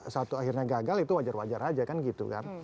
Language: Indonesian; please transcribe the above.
satu akhirnya gagal itu wajar wajar aja kan gitu kan